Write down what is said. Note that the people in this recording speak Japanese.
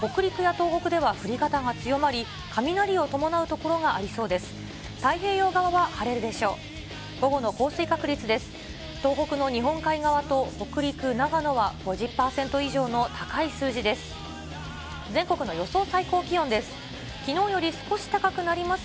東北の日本海側と北陸、長野は５０％以上の高い数字です。